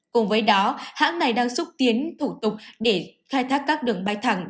cùng với đó hãng này đang xúc tiến thủ tục để khai thác các đường bay thẳng